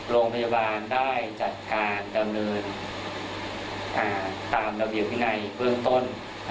โรงพยาบาลได้จัดการดำเนินตามระเบียบวินัยเบื้องต้น